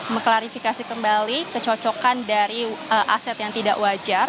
mengklarifikasi kembali kecocokan dari aset yang tidak wajar